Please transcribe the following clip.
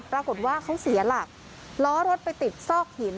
ปรากฏว่าเขาเสียหลักล้อรถไปติดซอกหิน